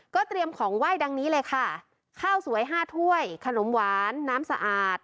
เตรียมของไหว้ดังนี้เลยค่ะข้าวสวยห้าถ้วยขนมหวานน้ำสะอาด